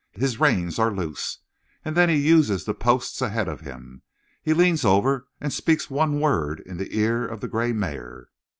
His reins are loose. And then he uses the posts ahead of him. He leans over and speaks one word in the ear of the gray mare.